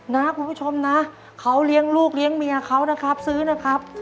นะคุณผู้ชมนะเขาเลี้ยงลูกเลี้ยงเมียเขานะครับซื้อนะครับ